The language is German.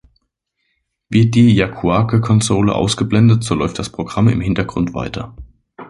Wird die Yakuake-Konsole ausgeblendet, so läuft das Programm im Hintergrund weiter.